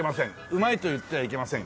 「うまい」と言ってはいけません。